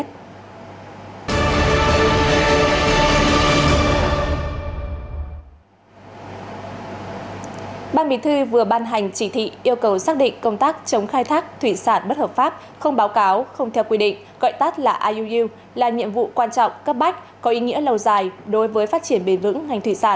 trong chỉ thị yêu cầu xác định công tác chống khai thác thủy sản bất hợp pháp không báo cáo không theo quy định gọi tắt là iuu là nhiệm vụ quan trọng cấp bách có ý nghĩa lâu dài đối với phát triển bền vững ngành thủy sản